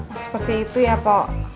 oh seperti itu ya pak